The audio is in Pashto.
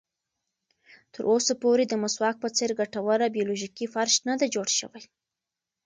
تر اوسه پورې د مسواک په څېر ګټوره بیولوژیکي فرش نه ده جوړه شوې.